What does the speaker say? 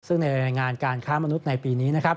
ซึ่งในรายงานการค้ามนุษย์ในปีนี้นะครับ